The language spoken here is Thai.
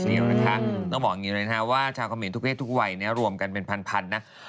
เราบอกว่าฉาวขเมรทุกเพศทุกวัยรวมกันเป็นพัน